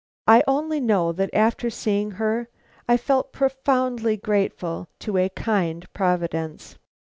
I only know that, after seeing her, I felt profoundly grateful to a kind Providence.